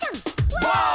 ワオ！